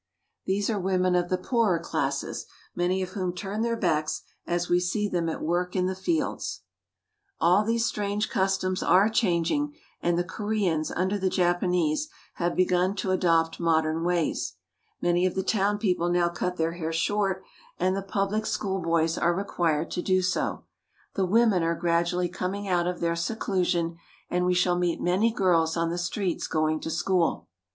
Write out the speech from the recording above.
These are women of the poorer classes, many of whom turn their backs as we see them at work in the fields. All these strange customs are changing, and the Kore ans under the Japanese have begun to adopt modern ways. Many of the town people now cut their hair short, and the public schoolboys are re quired to do so. The women are gradually coming out of their seclusion, and we shall meet many girls on the streets going to school.